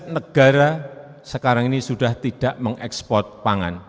sembilan belas negara sekarang ini sudah tidak mengekspor pangan